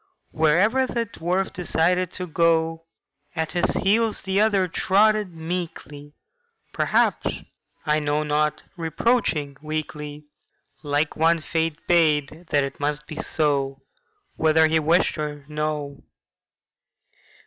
Wherever the dwarf decided to go At his heels the other trotted meekly, (Perhaps—I know not—reproaching weakly) Like one Fate bade that it must be so, Whether he wished or no.